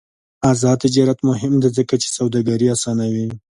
آزاد تجارت مهم دی ځکه چې سوداګري اسانوي.